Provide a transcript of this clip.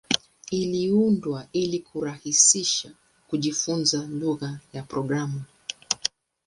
Iliundwa ili kurahisisha kujifunza lugha za programu.